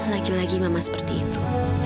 lagi lagi mama seperti itu